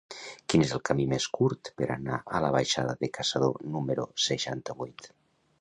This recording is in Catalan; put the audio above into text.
Quin és el camí més curt per anar a la baixada de Caçador número seixanta-vuit?